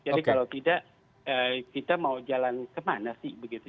jadi kalau tidak kita mau jalan kemana sih begitu